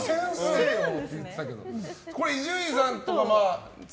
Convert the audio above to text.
伊集院さんとかは。